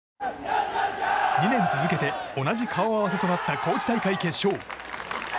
２年続けて同じ顔合わせとなった高知大会決勝。